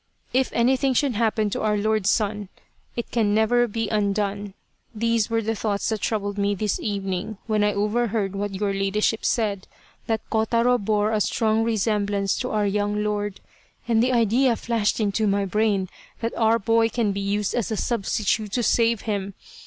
.' If anything should happen to our lord's son, it can never be un done,' these were the thoughts that troubled me this 191 Loyal, Even Unto Death evening when I overhead what your ladyship said, that Kotaro bore a strong resemblance to our young lord ; and the idea flashed into my brain that our boy can be used as a substitute to save him.